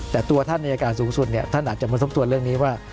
แต่ตัวท่านอายการสูงสุดเนี่ยท่านอาจจะมาทบทวนเรื่องนี้ว่า